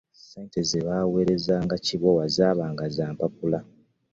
Sente ze baaweerezanga Kimbowa zaabanga za mpapula.